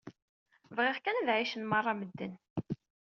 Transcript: Bɣiɣ kan ad ɛicen merra medden.